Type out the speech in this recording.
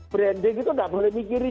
branding itu nggak boleh mikirin